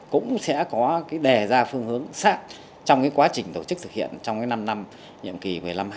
cũng sẽ có đè ra phương hướng sát trong quá trình tổ chức thực hiện trong năm năm nhiệm kỳ một mươi năm hai mươi